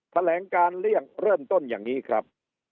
แถลงการเลี่ยงเริ่มต้นอย่างนี้ครับ